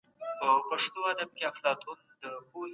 جهاد د فتنو د پای ته رسولو لاره ده.